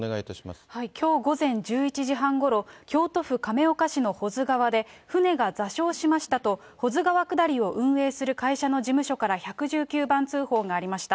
きょう午前１１時半ごろ、京都府亀岡市の保津川で、舟が座礁しましたと、保津川下りを運営する会社の事務所から１１９番通報がありました。